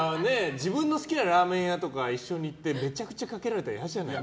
自分の好きなラーメン屋とか一緒に行ってめちゃくちゃかけられたら嫌じゃない。